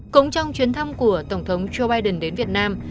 cũng trong chuyến thăm của tổng thống joe biden đến việt nam